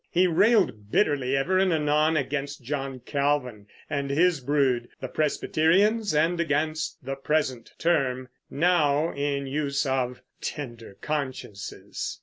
He railed bitterly ever and anon against John Calvin and his brood, the Presbyterians, and against the present terme, now in use, of "tender consciences."